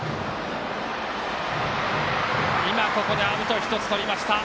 今、ここでアウト１つとりました。